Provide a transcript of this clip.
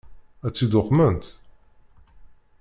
Ad tt-id-uqment?